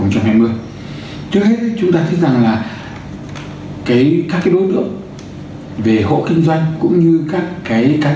trước hết chúng ta thấy rằng là các cái đối tượng về hộ kinh doanh cũng như các cái cá